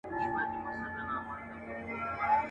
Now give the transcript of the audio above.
د كندو تر شا په غار كي نهامېږه.